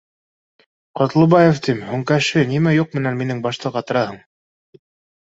— Ҡотлобаев, тим, һуң Кәшфи, нимә юҡ менән минең башты ҡатыраһың